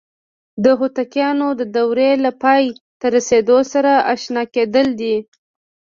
د هوتکیانو د دورې له پای ته رسیدو سره آشنا کېدل دي.